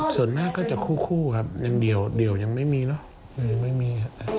ส่วนมากก็จะคู่ครับยังเดี่ยวยังไม่มีเนอะยังไม่มีครับ